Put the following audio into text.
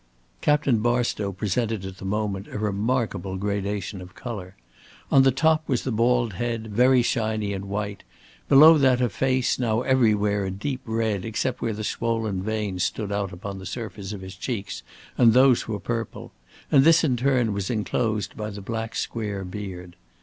Captain Barstow presented at the moment a remarkable gradation of color. On the top was the bald head, very shiny and white, below that a face now everywhere a deep red except where the swollen veins stood out upon the surface of his cheeks, and those were purple, and this in its turn was enclosed by the black square beard.